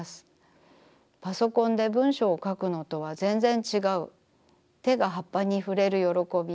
パソコンで文章を書くのとはぜんぜんちがう手が葉っぱに触れるよろこび。